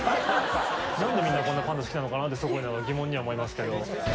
なんでみんな、こんなパンダ好きなのかなって、すごい疑問には思いますけど。